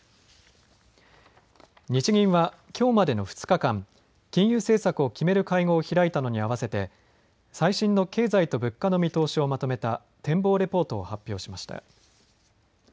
日銀はきょうまでの２日間、金融政策を決める会合を開いたのに合わせて最新の経済と物価の見通しをまとめた展望レポートを発表しました。